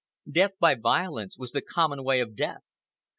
Death by violence was the common way of death.